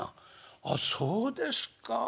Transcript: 「ああそうですかあ。